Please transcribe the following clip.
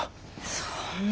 そんな。